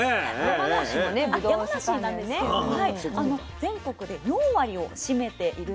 全国で４割を占めているんですね。